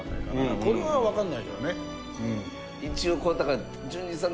これはわかんないよねうん。